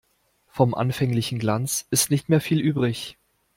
Vom anfänglichen Glanz ist nicht mehr viel übrig.